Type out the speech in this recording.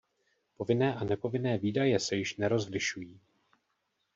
Povinné a nepovinné výdaje se již nerozlišují.